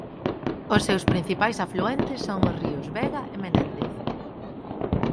Os seus principais afluentes son os ríos Vega e Menéndez.